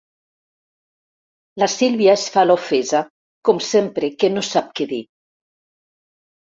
La Sílvia es fa l'ofesa, com sempre que no sap què dir.